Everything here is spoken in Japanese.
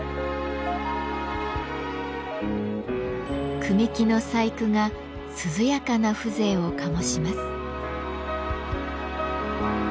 組木の細工が涼やかな風情を醸します。